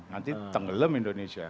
nanti tenggelam indonesia